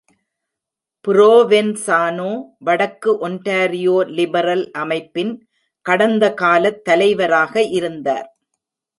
Provenzano வடக்கு Ontario liberal அமைப்பின் கடந்த காலத் தலைவராக இருந்தார்.